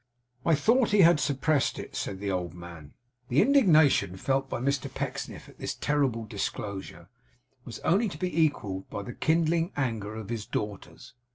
'I thought he had suppressed it,' said the old man. The indignation felt by Mr Pecksniff at this terrible disclosure, was only to be equalled by the kindling anger of his daughters.